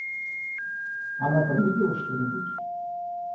Она там видела что-нибудь?